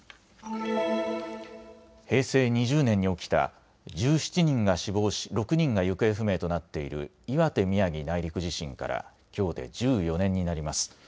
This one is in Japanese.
平成２０年に起きた１７人が死亡し６人が行方不明となっている岩手・宮城内陸地震からきょうで１４年になります。